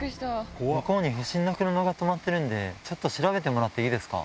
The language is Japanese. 向こうに不審な車が止まってるんで、ちょっと調べてもらっていいですか？